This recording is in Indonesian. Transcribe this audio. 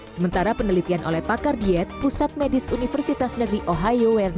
sementara penelitian oleh pakar diet pusat medis universitas negeri ohio werdina